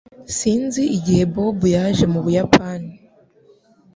Sinzi igihe Bob yaje mu Buyapani